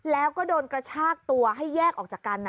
แล้วก็โดนกระชากตัวให้แยกออกจากกัน